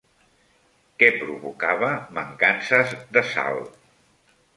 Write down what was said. Què provocava mancances de sal?